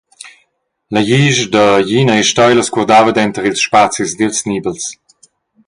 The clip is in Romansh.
La glisch da glina e steilas curdava denter ils spazis dils nibels.